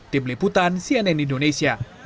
tim liputan cnn indonesia